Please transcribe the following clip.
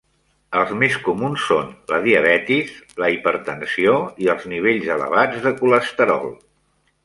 Els més comuns són la diabetis, la hipertensió i els nivells elevats de colesterol.